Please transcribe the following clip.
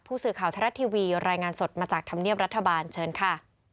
ผู้สื่อข่าวไทยรัฐทีวีรายงานสดมาจากธรรมเนียบรัฐบาลเชิญค่ะ